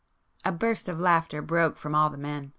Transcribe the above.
A burst of laughter broke from all the men.